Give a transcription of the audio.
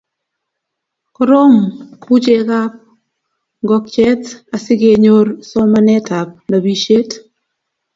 koroom ku chegab ngokchet asigenyor somanetab nobishet